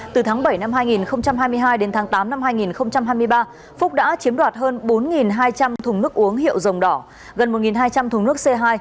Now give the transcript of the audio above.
từ tháng bảy năm hai nghìn hai mươi hai đến tháng tám năm hai nghìn hai mươi ba phúc đã chiếm đoạt hơn bốn hai trăm linh thùng nước uống hiệu dòng đỏ gần một hai trăm linh thùng nước c hai